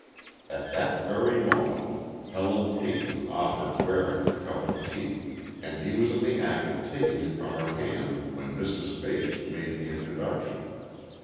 At that very moment Helen Peyton offered Waring a cup of tea, and he was in the act of taking it from her hand when Mrs. Bates made the introduction.